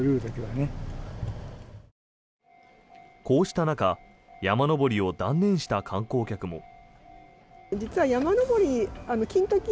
こうした中山登りを断念した観光客も。